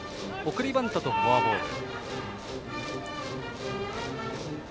送りバントとフォアボール。